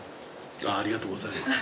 ありがとうございます。